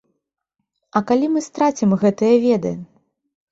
А калі мы страцім гэтыя веды?